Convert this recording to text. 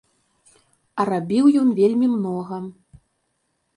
А рабіў ён вельмі многа.